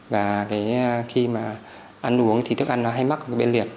và khi mà ăn uống thì thức ăn nó hay mắc cái bên liệt